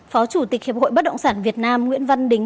phó chủ tịch hiệp hội bất động sản việt nam nguyễn văn đính